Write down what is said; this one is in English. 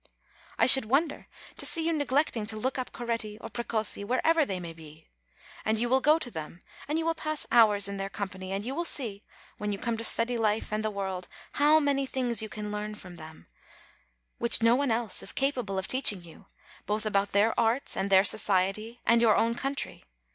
I should wonder to see you neglecting to look up Coretti or Precossi, wherever they may be! And you will go to them, and you will pass hours in their company, and you will see, when you come to study life and the world, how many things you can learn from them, which no one else is capable of teaching you, both about their arts and their society and your own country.